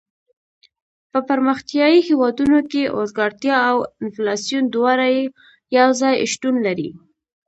په پرمختیایي هېوادونو کې اوزګارتیا او انفلاسیون دواړه یو ځای شتون لري.